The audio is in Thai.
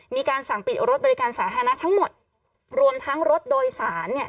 มีการสั่งปิดรถบริการสาธารณะทั้งหมดรวมทั้งรถโดยสารเนี่ย